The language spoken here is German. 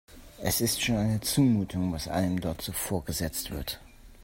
Es ist schon eine Zumutung, was einem dort so vorgesetzt wird.